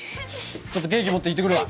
ちょっとケーキ持っていってくるわ。